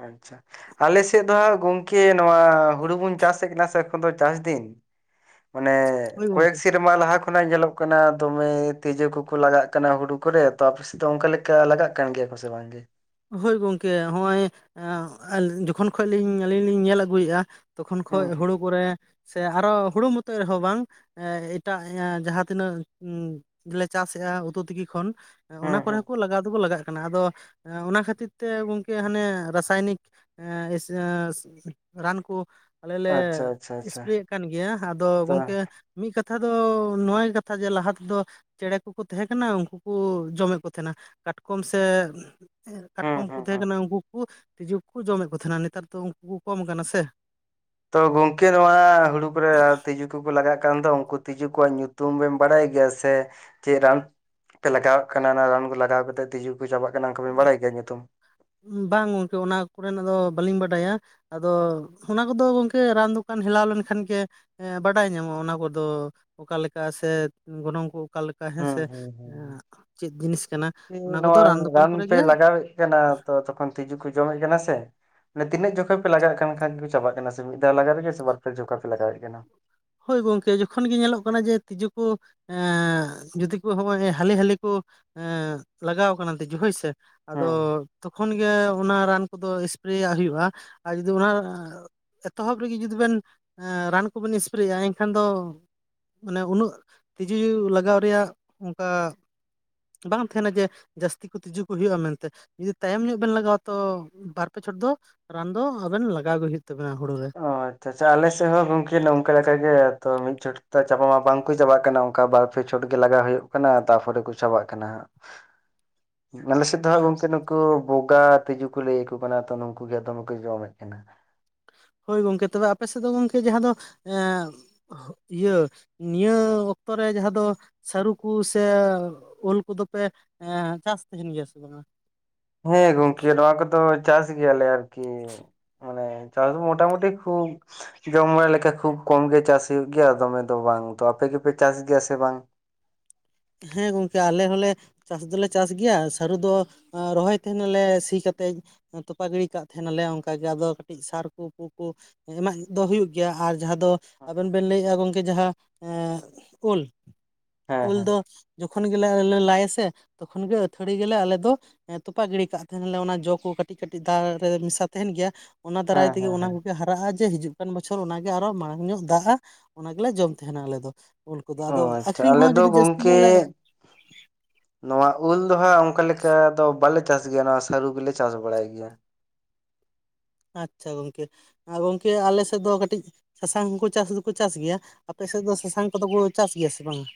ᱟᱪᱷᱟ ᱟᱞᱮᱥᱮᱫ ᱫᱚ ᱦᱟᱸᱜ ᱜᱚᱝᱠᱮ ᱱᱚᱣᱟ ᱦᱩᱲᱩ ᱵᱚᱱ ᱪᱟᱥᱮᱫ ᱠᱟᱱᱟ ᱥᱮ, ᱪᱟᱥ ᱰᱤᱱ ᱢᱟᱱᱮ ᱦᱳᱭ ᱜᱚᱝᱠᱮ ᱠᱭᱮᱠ ᱥᱮᱨᱢᱟ, ᱢᱟ ᱞᱟᱦᱟ ᱠᱷᱚᱱᱟᱜ ᱧᱮᱞᱚᱜ ᱠᱟᱱᱟ ᱫᱚᱢᱮ ᱛᱤᱡᱩ ᱠᱚᱠᱚ ᱞᱟᱜᱟᱜ ᱠᱟᱱᱟ ᱦᱩᱲᱩ ᱠᱚᱨᱮ ᱛᱚ ᱟᱯᱮ ᱫᱚ ᱚᱱᱠᱟ ᱞᱮᱠᱟ ᱞᱟᱜᱟᱜ ᱠᱟᱱ ᱜᱮᱭᱟ ᱠᱚ ᱥᱮ ᱵᱟᱝᱜᱮ, ᱦᱳᱭ ᱜᱚᱢᱠᱮ ᱱᱚᱜᱼᱚᱭ ᱡᱚᱠᱷᱚᱱ ᱠᱷᱚᱱᱤᱧ ᱟᱹᱞᱤᱧ ᱞᱤᱧ ᱧᱮᱞ ᱟᱹᱜᱩᱭᱮᱫᱼᱟ, ᱛᱚᱠᱷᱚᱱ ᱠᱷᱚᱡ ᱦᱩᱸ ᱦᱩᱸ ᱦᱩᱲᱩ ᱠᱚᱨᱮ ᱥᱮ ᱟᱨᱚ ᱦᱩᱲᱩ ᱢᱚᱛᱚ ᱨᱮᱦᱚᱸ ᱵᱟᱝ ᱮᱴᱟᱜ ᱡᱟᱦᱟᱸᱛᱤᱱᱟᱹᱜ ᱞᱮ ᱪᱟᱥᱮᱜᱼᱟ ᱩᱛᱩ ᱛᱤᱠᱤ ᱠᱷᱚᱱ ᱦᱩᱸ ᱚᱱᱟ ᱠᱚᱨᱮ ᱦᱩᱸ ᱦᱚᱸᱠᱚ ᱞᱟᱜᱟᱣ ᱫᱚᱠᱚ ᱞᱟᱜᱟᱜ ᱠᱟᱱᱟ ᱟᱫᱚ ᱚᱱᱟ ᱠᱷᱟᱹᱛᱤᱨ ᱛᱮ ᱜᱚᱝᱠᱮ ᱦᱟᱱᱮ ᱨᱟᱥᱟᱭᱱᱤᱠ ᱮ ᱮᱥ ᱮᱥ ᱨᱟᱱ ᱠᱚ ᱟᱞᱮ ᱞᱮ ᱟᱪᱪᱷᱟ ᱟᱪᱪᱷᱟ ᱟᱪᱪᱷᱟ ᱥᱯᱨᱮᱭᱮᱫ ᱠᱟᱱ ᱜᱮᱭᱟ ᱟᱫᱚ ᱛᱚ ᱜᱚᱝᱠᱮ ᱢᱤᱫ ᱠᱟᱛᱷᱟ ᱫᱚ ᱱᱚᱣᱟ ᱜᱮ ᱠᱟᱛᱷᱟ ᱡᱮ ᱞᱟᱦᱟ ᱛᱮᱫᱚ ᱪᱮᱬᱮ ᱠᱚᱠᱚ ᱛᱟᱦᱮᱸ ᱠᱟᱱᱟ ᱩᱱᱠᱩ ᱠᱚ ᱡᱚᱢᱮᱫ ᱠᱚ ᱛᱟᱦᱮᱸᱱᱟ ᱠᱟᱴᱠᱚᱢ ᱥᱮ ᱦᱩᱸ ᱠᱟᱴᱠᱚᱢ ᱠᱚ ᱦᱩᱸ ᱛᱟᱦᱮᱸ ᱦᱩᱸ ᱠᱟᱱᱟ ᱩᱱᱠᱩ ᱠᱚ ᱛᱤᱡᱩ ᱠᱚ ᱡᱚᱢᱮᱫ ᱠᱚ ᱛᱟᱦᱮᱸᱱᱟ ᱱᱮᱛᱟᱨ ᱫᱚ ᱩᱱᱠᱩ ᱠᱚ ᱠᱚᱢ ᱠᱟᱱᱟ ᱥᱮ ᱛᱚ ᱜᱚᱝᱠᱮ ᱱᱚᱣᱟ ᱦᱩᱲᱩ ᱠᱚᱨᱮ ᱛᱤᱡᱩ,, ᱩᱛᱩ ᱠᱩ ᱞᱟᱜᱟᱜ ᱠᱟᱱ ᱫᱚ ᱩᱱᱠᱩ ᱛᱤᱡᱩ ᱠᱚᱣᱟᱜ ᱧᱩᱛᱩᱢᱵᱮᱱ ᱵᱟᱲᱟᱭ ᱜᱮᱭᱟ ᱥᱮ ᱪᱮᱫ ᱨᱟᱱ ᱯᱮ ᱞᱟᱜᱟᱣᱟᱜ ᱠᱟᱱᱟ ᱚᱱᱟ ᱨᱟᱱ ᱠᱚ ᱞᱟᱜᱟᱣ ᱠᱟᱛᱮᱫ ᱛᱤᱡᱩ ᱠᱚ ᱪᱟᱵᱟᱜ ᱠᱟᱱᱟ ᱚᱱᱠᱟ ᱵᱮᱱ ᱵᱟᱲᱟᱭ ᱜᱮᱭᱟ ᱧᱩᱛᱩᱢ ᱵᱟᱝ ᱜᱚᱝᱠᱮ ᱚᱱᱟ ᱠᱚᱨᱮᱱᱟᱜ ᱫᱚ ᱵᱟᱹᱞᱤᱧ ᱵᱟᱰᱟᱭᱟ ᱟᱫᱚ ᱚᱱᱟ ᱠᱚᱫᱚ ᱜᱚᱝᱠᱮ ᱨᱟᱱ ᱫᱚᱠᱟᱱ ᱦᱮᱞᱟᱣ ᱞᱮᱱᱠᱷᱟᱱ ᱜᱮ ᱵᱟᱰᱟᱭ ᱧᱟᱢᱚᱜᱼᱟ ᱚᱱᱟ ᱠᱚᱫᱚ ᱚᱠᱟᱞᱮᱠᱟ ᱥᱮ ᱜᱚᱱᱚᱝ ᱠᱚ ᱚᱠᱟᱞᱮᱠ ᱦᱮᱸ ᱦᱩᱸ ᱥᱮ ᱦᱩᱸ ᱦᱩᱸ ᱪᱮᱫ ᱡᱤᱱᱤᱥ ᱠᱟᱱᱟ ᱠᱤ ᱚᱱᱟ ᱠᱚᱫᱚ ᱱᱚᱣᱟ ᱨᱟᱱ ᱫᱚᱠᱟᱱ ᱠᱚᱨᱮ ᱯᱮ ᱜᱮ ᱞᱟᱜᱟᱣᱮᱫ ᱠᱟᱱᱟ ᱛᱚ ᱛᱚᱠᱷᱚᱱ ᱛᱤᱡᱩ ᱠᱚ ᱡᱚᱢᱮᱫ ᱠᱟᱱᱟ ᱥᱮ ᱢᱟᱱᱮ ᱛᱱᱟᱹᱜ ᱡᱚᱠᱷᱮᱡ ᱯᱮ ᱞᱟᱜᱟ ᱠᱟᱱ ᱠᱷᱟᱱ ᱜᱮ ᱠᱚ ᱪᱟᱵᱟᱜ ᱥᱮ ᱢᱤᱫᱷᱟᱣ ᱞᱟᱜᱟᱣᱟᱜᱮ ᱥᱮ ᱵᱟᱨ ᱯᱮ ᱡᱚᱠᱷᱟ ᱯᱮ ᱞᱟᱜᱟᱣᱮᱫ ᱠᱟᱱᱟ ᱦᱳᱭ ᱜᱚᱝᱠᱮ ᱡᱚᱠᱷᱚᱱ ᱜᱮ ᱧᱮᱞᱚᱜ ᱠᱟᱱᱟ ᱡᱮ ᱛᱤᱡᱩ ᱠᱚ ᱡᱩᱫᱤ ᱠᱚ ᱦᱚᱸᱜᱼᱚᱭ ᱦᱟᱹᱞᱤ ᱦᱟᱹᱞᱤ ᱠᱚ ᱞᱟᱜᱟᱣ ᱠᱟᱱᱟ ᱛᱤᱡᱩ ᱦᱳᱭ ᱥᱮ ᱟᱫᱚ ᱦᱩᱸ ᱛᱚᱠᱷᱚᱱ ᱜᱮ ᱚᱱᱟ ᱨᱟᱱ ᱠᱚᱫᱚ ᱮᱯᱨᱮᱭᱟᱜ ᱦᱩᱭᱩᱜᱼᱟ ᱟᱨ ᱡᱩᱫᱤ ᱚᱱᱟ ᱮᱛᱚᱦᱚᱵ ᱨᱮᱜᱮ ᱡᱩᱫᱤ ᱵᱮᱱ ᱨᱟᱱ ᱠᱚᱵᱮᱱ ᱥᱯᱨᱮᱭᱟᱜᱼᱟ ᱮᱱᱠᱷᱟᱱ ᱫᱚ ᱢᱟᱱᱮ ᱩᱱᱟᱹᱜ ᱛᱤᱡᱩ ᱞᱟᱜᱟᱣ ᱨᱮᱭᱟᱜ ᱚᱱᱠᱟ ᱵᱟᱝ ᱛᱟᱦᱮᱸᱱᱟ ᱡᱮ ᱡᱟᱹᱥᱛᱤ ᱠᱚ ᱛᱤᱡᱩ ᱠᱚ ᱦᱩᱭᱩᱜᱼᱟ ᱢᱮᱱᱛᱮ ᱡᱩᱫᱤ ᱛᱟᱭᱚᱢ ᱧᱚᱜ ᱵᱮᱱ ᱞᱟᱜᱟᱣᱟ ᱛᱚ ᱵᱟᱨ ᱯᱮ ᱪᱷᱚᱴ ᱫᱚ ᱨᱟᱱ ᱫᱚ ᱟᱵᱮᱱ ᱞᱟᱜᱟᱣ ᱜᱮ ᱦᱩᱭᱩᱜ ᱛᱟᱵᱮᱱᱟ ᱦᱩᱲᱩ ᱨᱮ ᱚ ᱟᱪᱪᱷᱟ ᱟᱪᱪᱷᱟ ᱟᱞᱮᱥᱮᱫ ᱦᱚᱸ ᱜᱚᱝᱠᱮ ᱱᱚᱝᱠᱟ ᱞᱮᱠᱟ ᱜᱮ ᱛᱚ ᱢᱤᱫ ᱡᱷᱚᱴᱟ ᱪᱟᱵᱟ ᱢᱟ ᱵᱟᱝᱠᱚ ᱪᱟᱵᱟᱜ ᱠᱟᱱᱟ ᱚᱱᱠᱟ ᱵᱟ ᱯᱮ ᱪᱷᱚᱴ ᱜᱮ ᱞᱟᱜᱟᱣ ᱦᱩᱭᱩᱜ ᱠᱟᱱᱟ ᱛᱟᱨᱯᱚᱨᱮ ᱠᱚ ᱪᱟᱵᱟᱜ ᱠᱟᱱᱟ ᱦᱟᱸ ᱟᱞᱮ ᱥᱮᱫ ᱫᱚ ᱦᱟᱜ ᱜᱚᱝᱠᱮ ᱱᱩᱠᱩ ᱵᱚᱜᱟ ᱛᱤᱡᱩ ᱠᱚ ᱞᱟᱹᱭ ᱟᱠᱚ ᱠᱟᱱᱟ ᱛᱚ ᱱᱩᱠᱩ ᱜᱮ ᱫᱚᱢᱮ ᱠᱚ ᱡᱚᱢᱮᱫ ᱠᱟᱱᱟ ᱦᱳᱭ ᱜᱚᱝᱠᱮ ᱛᱚᱵᱮ ᱟᱯᱮ ᱥᱮᱫ ᱫᱚ ᱜᱚᱢᱠᱮ ᱡᱟᱦᱟᱸ ᱫᱚ ᱮ ᱤᱭᱟᱹ ᱱᱤᱭᱟᱹ ᱚᱠᱛᱚ ᱨᱮ ᱡᱟᱦᱟᱸ ᱫᱚ ᱥᱟᱹᱨᱩ ᱠᱚ ᱥᱮ ᱳᱞ ᱠᱚᱫᱚ ᱯᱮ ᱦᱮᱸ ᱪᱟᱥ ᱛᱟᱦᱮᱸᱱ ᱜᱮᱭᱟ ᱥᱮ ᱵᱟᱝᱟ ᱦᱮᱸ ᱜᱚᱝᱠᱮ ᱱᱚᱣᱟ ᱠᱚᱫᱚ ᱪᱟᱥ ᱜᱮᱭᱟᱞᱮ ᱟᱨᱠᱤ ᱢᱟᱱᱮ ᱪᱟᱥ ᱫᱚ ᱢᱳᱴᱟᱢᱩᱴᱤ ᱠᱷᱩᱵ ᱡᱚᱢ ᱵᱟᱲᱟ ᱞᱮᱠᱟ ᱠᱷᱩᱵ ᱠᱚᱢ ᱜᱮ ᱪᱟᱥ ᱦᱩᱭᱩᱜ ᱜᱮᱭᱟ ᱫᱚᱢᱮ ᱫᱚ ᱵᱟᱝ ᱛᱚ ᱟᱯᱮ ᱜᱮᱯᱮ ᱪᱟᱥ ᱜᱮᱭᱟ ᱥᱮ ᱵᱟᱝ ᱦᱮᱸ ᱜᱚᱝᱠᱮ ᱟᱞᱮ ᱦᱚᱸᱞᱮ ᱪᱟᱥ ᱫᱚᱞᱮ ᱪᱟᱥ ᱜᱮᱭᱟ ᱥᱟᱹᱨᱩ ᱫᱚ ᱨᱚᱦᱚᱭ ᱛᱟᱦᱮᱸᱱᱟ ᱞᱮ ᱥᱤ ᱠᱟᱛᱮᱫ ᱛᱚᱯᱟᱜ ᱜᱤᱲᱤ ᱠᱟᱜ ᱛᱟᱦᱮᱸᱱᱟ ᱞᱮ ᱚᱱᱠᱟ ᱜᱮ ᱟᱫᱚ ᱠᱟᱹᱴᱤᱡ ᱥᱟᱨ ᱠᱚ ᱯᱩ ᱠᱚ ᱮᱢᱟᱜ ᱫᱚ ᱦᱩᱭᱩᱜ ᱜᱮᱭᱟ ᱟᱨ ᱡᱟᱦᱟᱸ ᱫᱚ ᱟᱵᱮᱱ ᱵᱮᱱ ᱞᱟᱹᱭᱮᱫᱼᱟ ᱜᱚᱝᱠᱮ ᱡᱟᱦᱟᱸ ᱩᱞ ᱦᱮᱸ ᱩᱞ ᱦᱮᱸ ᱫᱚ ᱡᱚᱠᱷᱚᱱ ᱜᱮᱞᱮ ᱟᱞᱮ ᱞᱮ ᱞᱟᱭᱟᱥᱮ ᱛᱚᱠᱷᱚᱱ ᱜᱮ ᱟᱹᱛᱷᱟᱹᱲᱤ ᱜᱮᱞᱮ ᱟᱞᱮ ᱫᱚ ᱛᱚᱯᱟᱜ ᱜᱤᱰᱤ ᱠᱟᱜ ᱛᱟᱦᱮᱱᱞᱮ ᱚᱱᱟ ᱡᱚ ᱠᱚ ᱠᱟᱹᱴᱤᱡ-ᱠᱟᱹᱴᱤᱡ ᱫᱟᱜ ᱨᱮ ᱢᱮᱥᱟ ᱛᱟᱦᱮᱱ ᱜᱮᱭᱟ᱾ ᱚᱱᱟ ᱫᱟᱨᱟᱭ ᱦᱮᱸ ᱛᱮᱜᱮ ᱦᱮᱸ ᱚᱱᱟ ᱦᱮᱸ ᱠᱚᱜᱮ ᱦᱟᱨᱟᱜᱼᱟ ᱡᱮ ᱦᱤᱡᱩᱜ ᱵᱚᱪᱷᱚᱨ ᱚᱱᱟ ᱜᱮ ᱟᱨᱚ ᱢᱟᱲᱟᱝ ᱧᱚᱜ ᱫᱟᱜᱼᱟ ᱚᱱᱟ ᱜᱮᱞᱮ ᱡᱚᱢ ᱛᱟᱦᱮᱸᱱᱟ ᱟᱞᱮ ᱫᱚ ᱳᱞ ᱠᱚᱫᱚ ᱚ ᱟᱫᱚ ᱟᱪᱪᱷᱟ ᱟᱠᱷᱨᱤᱧ ᱟᱞᱮ ᱦᱚᱸ ᱡᱩᱫᱤ ᱡᱟᱹᱥᱛᱤ ᱧᱚᱜ ᱞᱮ [unintelligible] ᱱᱚᱣᱟ ᱩᱞ ᱫᱚ ᱦᱟᱸᱜ ᱚᱱᱠᱟ ᱞᱮᱠᱟ ᱫᱚ ᱵᱟᱞᱮ ᱪᱟᱥ ᱜᱮᱭᱟ ᱱᱚᱣᱟ ᱥᱟᱹᱨᱩ ᱜᱮᱞᱮ ᱪᱟᱥ ᱵᱟᱲᱟᱭ ᱜᱮᱭᱟ ᱟᱪᱪᱷᱟ ᱜᱚᱝᱠᱮ ᱟᱨ ᱜᱚᱝᱠᱮ ᱟᱞᱮ ᱥᱮᱫ ᱫᱚ ᱠᱟᱹᱴᱤᱡ ᱥᱟᱥᱟᱝ ᱦᱚᱸᱠᱚ ᱪᱟᱥ ᱫᱚᱠᱚ ᱪᱟᱥ ᱜᱮᱭᱟ ᱟᱯᱮ ᱥᱮᱫ ᱫᱚ ᱥᱟᱥᱟᱝ ᱠᱚᱫᱚ ᱠᱚ ᱪᱟᱥ ᱜᱮᱭᱟ ᱥᱮ ᱵᱟᱝᱟ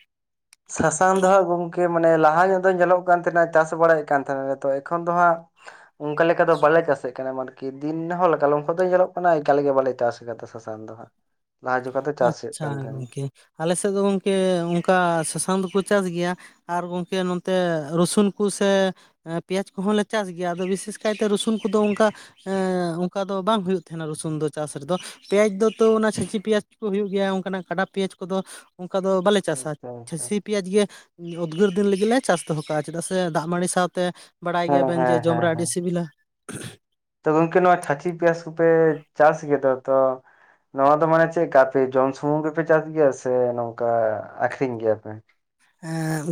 ᱥᱟᱥᱟᱝ ᱫᱚ ᱦᱟᱸᱜ ᱜᱚᱝᱠᱮ ᱢᱟᱱᱮ ᱞᱟᱦᱟ ᱧᱚᱜ ᱫᱚ ᱧᱮᱞᱚᱜ ᱠᱟᱱ ᱛᱟᱦᱮᱱᱟ ᱪᱟᱥ ᱵᱟᱲᱟᱭᱮᱫ ᱠᱟᱱ ᱛᱟᱦᱮᱱᱟ ᱛᱚ ᱮᱠᱷᱚᱱ ᱫᱚ ᱦᱟᱸᱜ ᱚᱱᱠᱟ ᱞᱮᱠᱟ ᱫᱚ ᱵᱟᱞᱮ ᱪᱟᱥᱮᱫ ᱠᱟᱱᱟ ᱢᱟᱱ ᱠᱤ ᱫᱤᱱ ᱦᱚᱞᱠᱟᱞᱚᱢ ᱠᱷᱚᱱ ᱫᱚ ᱧᱮᱞᱚᱜ ᱠᱟᱱᱟ ᱮᱠᱟᱞ ᱜᱮ ᱵᱟᱞᱮ ᱪᱟᱥ ᱟᱠᱟᱫᱟ ᱥᱟᱥᱟᱝ ᱫᱚ ᱦᱟᱸᱜ ᱞᱟᱦᱟ ᱡᱚ ᱠᱟᱛᱮ ᱪᱟᱥ ᱦᱩᱭᱩᱜ ᱠᱟᱱ ᱛᱟᱦᱮᱱ ᱟᱞ ᱥᱮᱫ ᱫᱚ ᱜᱚᱢᱠᱮ ᱚᱱᱠᱟ ᱥᱟᱥᱟᱝ ᱫᱚᱠᱚ ᱪᱟᱥ ᱜᱮᱭᱟ᱾ ᱟᱨ ᱜᱚᱢᱠᱮ ᱱᱚᱛᱮ ᱨᱚᱥᱩᱱ ᱠᱚᱥᱮ ᱯᱮᱸᱭᱟᱡᱽ ᱠᱚᱦᱚᱸ ᱞᱮ ᱪᱟᱥ ᱜᱮᱭᱟ ᱟᱫᱚ ᱵᱤᱥᱮᱥ ᱠᱟᱭᱛᱮ ᱨᱥᱩᱱ ᱠᱚᱫᱚ ᱚᱱᱠᱟ ᱚᱱᱠᱟ ᱫᱚ ᱵᱟᱝ ᱦᱩᱭᱩᱜ ᱛᱟᱦᱮᱱᱟ ᱨᱚᱥᱩᱱ ᱫᱚ ᱪᱟᱥ ᱨᱮᱫᱚ ᱯᱮᱸᱭᱟᱡᱽ ᱫᱚ ᱛᱟ. ᱣ ᱚᱱᱟ ᱪᱷᱟᱹᱪᱤ ᱯᱮᱸᱭᱟᱡᱽ ᱠᱚ ᱦᱩᱭᱩᱜ ᱜᱮᱭᱟ ᱚᱱᱠᱟᱱᱟᱜ ᱠᱟᱰᱟ ᱯᱮᱸᱭᱟᱡᱽ ᱠᱚᱫᱚ ᱚᱱᱠᱟ ᱫᱚ ᱵᱟᱞᱮ ᱪᱟᱥᱟ ᱛᱟᱦᱮᱸᱱᱟ ᱟᱪᱪᱷᱟ ᱟᱪᱪᱷᱟ ᱪᱷᱟᱹᱪᱤ ᱯᱮᱸᱭᱟᱡᱽ ᱜᱮ ᱩᱫᱽᱜᱟᱹᱨ ᱫᱤᱱ ᱞᱟᱹᱜᱤᱫ ᱞᱮ ᱪᱟᱥ ᱫᱚᱦᱚ ᱠᱟᱜᱼᱟ ᱪᱮᱫᱟᱜ ᱥᱮ ᱫᱟᱜ ᱢᱟᱹᱲᱤ ᱥᱟᱶᱛᱮ ᱵᱟᱲᱟᱭ ᱦᱮᱸ ᱜᱮᱭᱟᱵᱮᱱ ᱦᱮᱸ ᱡᱮ ᱡᱚᱢ ᱦᱮᱸ ᱨᱮ ᱟᱹᱰᱤ ᱦᱮᱸ ᱥᱤᱵᱤᱞᱟ᱾ ᱛᱚ ᱜᱚᱢᱠᱮ ᱱᱚᱣᱟ ᱪᱷᱟᱹᱪᱤ ᱯᱮᱸᱭᱟᱡᱽ ᱠᱚᱯᱮ ᱪᱟᱥ ᱜᱮᱫᱚ ᱛᱚ ᱱᱚᱣᱟ ᱫᱚ ᱢᱟᱱᱮ ᱪᱮᱫᱠᱟ ᱟᱯᱮ ᱡᱚᱢ ᱥᱩᱢᱩᱝ ᱜᱮᱯᱮ ᱪᱟᱥ ᱜᱮᱭᱟ ᱥᱮ ᱱᱚᱝᱠᱟ ᱟᱠᱷᱨᱤᱧ ᱜᱮᱭᱟ ᱯᱮ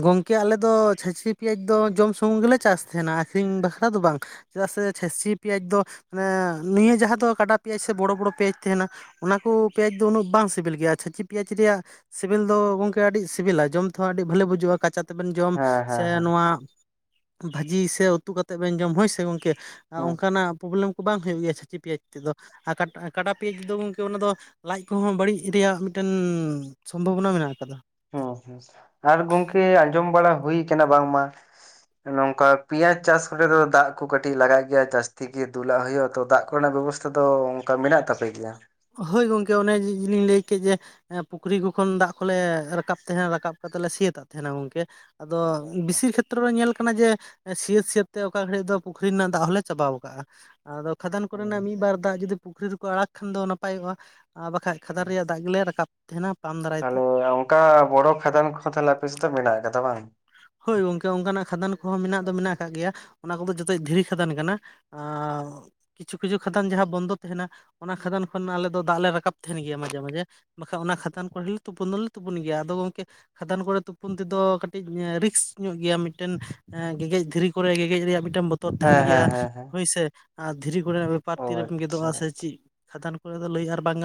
ᱜᱚᱢᱠᱮ ᱟᱞᱮ ᱫᱚ ᱪᱷᱟᱹᱪᱤ ᱯᱮᱸᱭᱟᱡᱽ ᱫᱚ ᱡᱚᱢ ᱥᱩᱢᱩᱝ ᱜᱮᱞᱮ ᱪᱟᱥ ᱛᱟᱦᱮᱱᱟ ᱟᱹᱠᱷᱨᱤᱧ ᱵᱟᱠᱷᱨᱟ ᱫᱚ ᱵᱟᱝ ᱪᱮᱫᱟᱜ ᱥᱮ ᱪᱷᱟᱹᱪᱤ ᱯᱮᱸᱭᱟᱡᱽ ᱫᱚ ᱢᱟᱱᱮ ᱱᱤᱭᱟᱹ ᱡᱟᱦᱟᱸ ᱫᱚ ᱠᱟᱰᱟ ᱯᱮᱸᱭᱟᱡᱽ ᱥᱮ ᱵᱚᱲᱚ-ᱵᱚᱲᱚ ᱯᱮᱸᱭᱟᱡᱽ ᱛᱟᱦᱮᱱᱟ᱾ ᱚᱱᱟ ᱠᱚ ᱯᱮᱸᱭᱟᱡᱽ ᱫᱚ ᱩᱱᱟᱹᱜ ᱵᱟᱝ ᱥᱤᱵᱤᱞ ᱜᱮᱭᱟ ᱪᱷᱟᱹᱪᱤ ᱯᱮᱸᱭᱟᱡᱽ ᱨᱮᱭᱟᱜ ᱥᱤᱵᱤᱞ ᱫᱚ ᱜᱚᱝᱠᱮ ᱟᱹᱰᱤ ᱥᱤᱵᱤᱞᱟ ᱡᱚᱢ ᱦᱚᱸ ᱟᱹᱰᱤ ᱵᱷᱟᱹᱞᱤ ᱵᱩᱡᱩᱜᱼᱟ ᱠᱟᱪᱟ ᱛᱮᱵᱮᱱ ᱡᱚᱢ ᱦᱮᱸ ᱥᱮ ᱦᱮᱸ ᱦᱮᱸ ᱱᱚᱣᱟ ᱵᱷᱟᱹᱡᱤ ᱥᱮ ᱩᱛᱩ ᱠᱟᱛᱮ ᱵᱮᱱ ᱡᱚᱢ ᱦᱚᱭ ᱥᱮ ᱜᱚᱝᱠᱮ ᱦᱩᱸ ᱚᱱᱠᱟᱱᱟᱜ ᱯᱨᱚᱵᱽᱞᱮᱢ ᱠᱚ ᱵᱟᱝ ᱦᱩᱭᱩᱜ ᱜᱮᱭᱟ ᱪᱷᱟᱹᱪᱤ ᱯᱮᱸᱭᱟᱡᱽ ᱛᱮᱫᱚ ᱟᱨ ᱠᱟᱴ ᱠᱟᱰᱟ ᱯᱮᱸᱭᱟᱡᱽ ᱫᱚ ᱜᱚᱢᱠᱮ ᱚᱱᱟ ᱫᱚ ᱞᱟᱡ ᱠᱚᱦᱚᱸ ᱵᱟᱹᱲᱤᱡ ᱨᱮᱭᱟᱜ ᱢᱤᱫᱴᱮᱱ ᱥᱚᱢᱵᱷᱚᱵᱚᱱᱟ ᱢᱮᱱᱟᱜ ᱟᱠᱟᱫᱟ᱾ ᱚ ᱦᱮᱸ ᱥᱮ ᱟᱨ ᱜᱚᱢᱠᱮ ᱟᱸᱡᱚᱢ ᱵᱟᱲᱟ ᱦᱩᱭ ᱠᱟᱱᱟ ᱵᱟᱝᱢᱟ ᱱᱚᱝᱠᱟ ᱯᱮᱸᱭᱟᱡᱽ ᱪᱟᱥ ᱠᱚᱨᱮ ᱫᱚ ᱫᱟᱜ ᱠᱚ ᱠᱟᱹᱴᱤᱡ ᱞᱟᱜᱟᱜ ᱜᱮᱭᱟ ᱡᱟᱹᱟᱥᱛᱤ ᱜᱮ ᱫᱩᱞᱟᱜ ᱦᱩᱭᱩᱜᱼᱟ, ᱛᱚ ᱫᱟᱜ ᱠᱚᱨᱮᱱᱟᱜ ᱵᱮᱵᱚᱥᱛᱟ ᱠᱫᱚ ᱚᱱᱠᱟ ᱢᱮᱱᱟᱜ ᱛᱟᱯᱮ ᱜᱮᱭᱟ ᱦᱚᱭ ᱜᱚᱝᱠᱮ ᱚᱱᱮ ᱞᱤᱧ ᱞᱟᱹᱭ ᱠᱮᱫ ᱡᱮ ᱯᱩᱠᱷᱨᱤ ᱠᱚ ᱠᱷᱚᱱ ᱫᱟᱜ ᱠᱚᱞᱮ ᱨᱟᱠᱟᱵ ᱛᱟᱦᱮᱱᱟ ᱨᱟᱠᱟᱵ ᱠᱟᱛᱮᱜ ᱞᱮ ᱥᱤ ᱦᱟᱛᱟᱲ ᱛᱟᱦᱮᱱᱟ ᱜᱚᱢᱠᱮ ᱟᱫᱚ ᱵᱤᱥᱤ ᱠᱷᱮᱛᱨᱮ ᱨᱮ ᱧᱮᱞ ᱠᱟᱱᱟ ᱡᱮ ᱥᱤᱭᱟᱹ-ᱥᱤᱭᱟᱹᱛ ᱛᱮ ᱚᱠᱟ ᱜᱷᱟᱹᱲᱤᱡ ᱫᱚ ᱯᱩᱠᱷᱨᱤ ᱨᱮᱱᱟᱜ ᱫᱟᱜ ᱦᱚᱸᱞᱮ ᱪᱟᱵᱟᱟᱣ ᱠᱟᱜᱼᱟ᱾ ᱟᱫᱚ ᱠᱷᱟᱫᱟᱱ ᱠᱚᱨᱮᱱᱟᱜ ᱢᱤᱫᱵᱟᱨ ᱫᱟᱜ ᱡᱩᱫᱤ ᱯᱩᱠᱷᱨᱤ ᱨᱮᱠᱚ ᱟᱲᱟᱜ ᱠᱷᱟᱱ ᱫᱚ ᱱᱟᱯᱟᱭᱚᱜᱼᱟ ᱟᱨ ᱵᱟᱠᱷᱟᱡ ᱠᱷᱟᱫᱟᱱ ᱨᱮᱭᱟᱜ ᱫᱟᱜ ᱜᱮᱞᱮ ᱨᱟᱠᱟᱵ ᱛᱟᱦᱮᱱᱟ ᱯᱟᱢ ᱫᱟᱨᱭ ᱛᱟᱦᱚᱞᱮ ᱚᱱᱠᱟ ᱵᱚᱲᱚ ᱠᱷᱟᱫᱟᱱ ᱠᱚᱦᱚ ᱛᱟᱦᱞᱮ ᱟᱯᱮᱥᱮᱫᱚ ᱢᱮᱱᱟᱜ ᱟᱠᱟᱫᱟ ᱵᱟᱝ ᱦᱚᱭ ᱜᱚᱝᱠᱮ ᱚᱱᱠᱟᱱᱟᱜ ᱠᱷᱟᱫᱟᱱ ᱠᱚᱦᱚᱸ ᱢᱮᱱᱟᱜ ᱫᱚ ᱢᱮᱱᱟᱜ ᱟᱠᱟᱟᱜ ᱜᱮᱭᱟ ᱚᱱᱟ ᱠᱚᱫᱚ ᱡᱚᱛ ᱫᱷᱤᱨᱤ ᱠᱷᱟᱫᱟᱱ ᱠᱟᱱᱟ᱾ ᱠᱤᱪᱷᱩ-ᱠᱤᱪᱷᱩ ᱠᱷᱟᱫᱟᱱ ᱡᱟᱦᱟᱸ ᱵᱚᱱᱫᱚ ᱛᱟᱦᱮᱱᱟ ᱚᱱᱟ ᱠᱷᱟᱫᱟᱱ ᱠᱷᱚᱱᱢᱟ ᱟᱞᱮ ᱫᱚ ᱫᱟᱜ ᱞᱮ ᱨᱟᱠᱟᱵ ᱛᱟᱦᱮᱱ ᱜᱮᱭᱟ ᱢᱟᱡᱷᱮ-ᱢᱟᱡᱷᱮ ᱵᱟᱠᱷᱟᱡ ᱚᱱᱟ ᱠᱷᱟᱫᱟᱱ ᱠᱚᱨᱮ ᱞᱮ ᱛᱩᱯᱩᱱ ᱫᱚᱞᱮ ᱛᱩᱯᱩᱱ ᱜᱮᱭᱟ ᱟᱫᱚ ᱜᱚᱝᱠᱮ ᱠᱷᱟᱫᱟᱱ ᱠᱚᱨᱮ ᱛᱩᱯᱩᱱ ᱛᱮᱫᱚ ᱠᱟᱴ ᱼᱼ ᱴᱤᱡ ᱨᱤᱠᱥ ᱧᱚᱜ ᱜᱮᱭᱟ ᱢᱤᱫᱴᱮᱱ ᱜᱮ-ᱜᱮᱫ ᱫᱷᱤᱨᱤ ᱠᱚᱨᱮ ᱜᱮᱸᱜᱮᱫ ᱨᱮᱭᱟᱜ ᱢᱤᱫᱴᱮᱱ ᱵᱚᱛᱚᱨ ᱵᱛᱚᱨ ᱛᱟᱦᱮᱱ ᱦᱮᱸ ᱜᱮᱭᱟ ᱦᱮᱸ ᱦᱮᱸ ᱦᱮᱸ ᱦᱚᱭᱥᱮ ᱟᱨ ᱫᱷᱤᱨᱤ ᱠᱚᱨᱮᱱᱟᱜ ᱵᱮᱯᱟᱨ ᱚ ᱛᱤᱨᱮᱵᱢ ᱟᱪᱪᱷᱟ ᱜᱮᱫᱚᱜᱼᱟ ᱥᱮ ᱪᱤᱫ ᱠᱷᱟᱫᱟᱱ ᱠᱚᱨᱮ ᱫᱚ ᱞᱟᱹᱭ ᱟᱨ ᱵᱟᱝ ᱜᱟᱱ ᱼᱼ